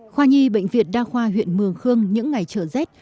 khoa nhi bệnh viện đa khoa huyện mường khương những ngày trở rét